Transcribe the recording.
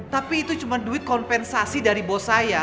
tapi itu cuma duit kompensasi dari bos saya